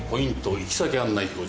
行き先案内表示